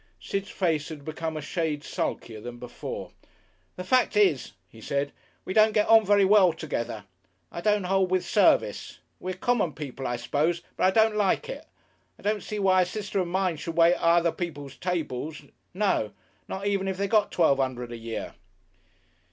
Sid's face had become a shade sulkier than before. "The fact is," he said, "we don't get on very well together. I don't hold with service. We're common people, I suppose, but I don't like it. I don't see why a sister of mine should wait at other people's tables. No. Not even if they got Twelve 'Undred a Year."